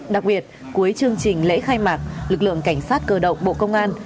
đặc biệt cuối chương trình lễ khai mạc lực lượng cảnh sát cơ động bộ công an